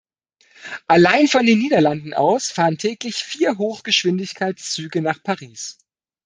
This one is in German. Alleine von den Niederlanden aus fahren täglich vier Hochgeschwindigkeitszüge nach Paris.